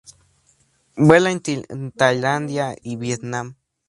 Vuela en Tailandia y Vietnam